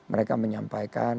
dan mereka menyampaikan